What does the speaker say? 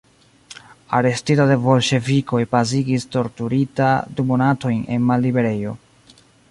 Arestita de bolŝevikoj pasigis, torturita, du monatojn en malliberejo.